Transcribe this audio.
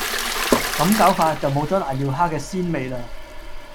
咁搞法就冇咗攋尿蝦嘅鮮味喇